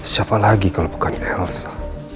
siapa lagi kalau bukan elsa